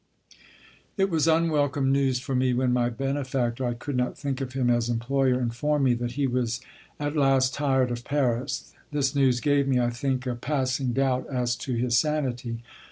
It was unwelcome news for me when my benefactor I could not think of him as employer informed me that he was at last tired of Paris. This news gave me, I think, a passing doubt as to his sanity.